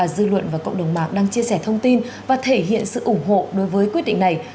dư luận và cộng đồng mạng đang chia sẻ thông tin và thể hiện sự ủng hộ đối với quyết định này